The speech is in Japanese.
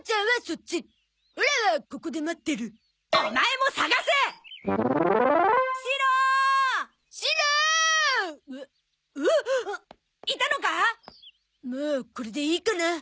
もうこれでいいかな？